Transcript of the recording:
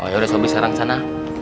oh yaudah sobri sekarang sana